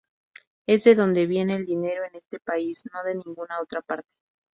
Es de donde viene el dinero en este país, no de ninguna otra parte.